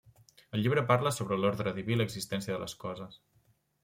El llibre parla sobre l'ordre diví i l'existència de les coses.